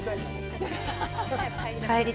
帰り。